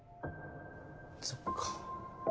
そっか。